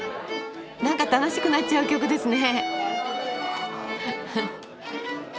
なんか楽しくなっちゃう曲ですね。